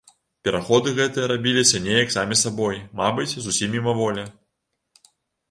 Пераходы гэтыя рабіліся неяк самі сабой, мабыць, зусім мімаволі.